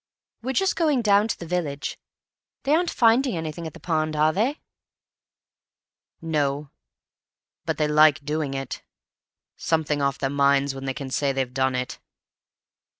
We're just going down to the village. They aren't finding anything at the pond, are they?" "No. But they like doing it. Something off their minds when they can say they've done it."